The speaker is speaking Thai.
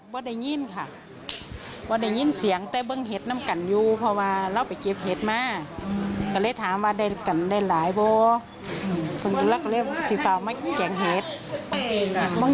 ว่าอีกคนเข้ามาในเฮียนเล่าพูดได้สิว่าจับมาบ่ายความอยู่เฮียนเล่าไปได้เหรอ